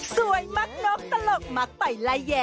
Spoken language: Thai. มักนกตลกมักไปไล่แย่